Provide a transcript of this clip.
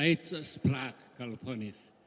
itu berbunyi kalau ponis